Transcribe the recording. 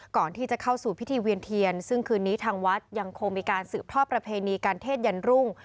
ก่อนที่จะเข้าสู่พิธีเวียนเทียนซึ่งคืนนี้ทางวัดยังคงมีการสืบทอดประเพณีการเทศยันรุ่ง